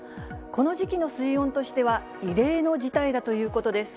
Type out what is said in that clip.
この時期の水温としては異例の事態だということです。